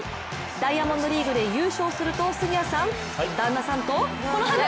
ダイヤモンドリーグで優勝すると杉谷さん、旦那さんとこのハグ！